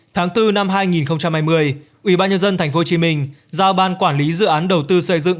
tháng bốn năm hai nghìn hai mươi ubnd tp hcm giao ban quản lý dự án đầu tư xây dựng